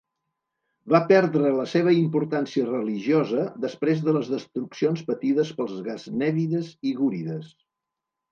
Va perdre la seva importància religiosa després de les destruccions patides pels gaznèvides i gúrides.